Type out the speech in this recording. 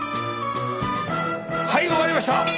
はい終わりました。